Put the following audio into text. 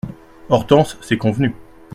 Hortense C'est Convenu …